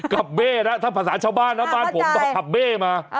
กับเบ้นะถ้าภาษาชาวบ้านนะบ้านผมต้องขับเบ้มา